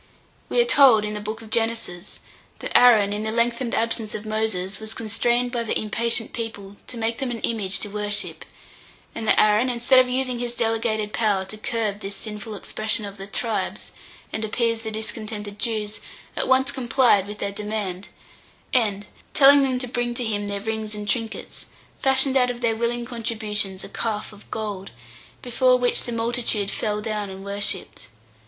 We are told in the book of Genesis, that Aaron, in the lengthened absence of Moses, was constrained by the impatient people to make them an image to worship; and that Aaron, instead of using his delegated power to curb this sinful expression of the tribes, and appease the discontented Jews, at once complied with their demand, and, telling them to bring to him their rings and trinkets, fashioned out of their willing contributions a calf of gold, before which the multitude fell down and worshipped.